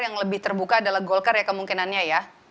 yang lebih terbuka adalah golkar ya kemungkinannya ya